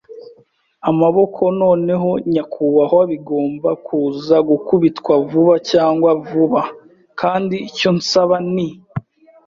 amaboko. Noneho, nyakubahwa, bigomba kuza gukubitwa vuba cyangwa vuba, kandi icyo nsaba ni